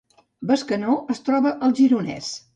Bescanó es troba al Gironès